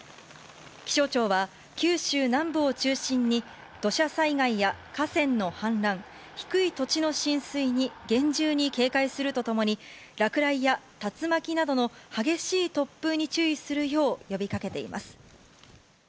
気象庁は九州南部を中心に土砂災害や河川の氾濫、低い土地の浸水に厳重に警戒するとともに、落雷や竜巻などの激しい突風に注意するよう呼びかけています。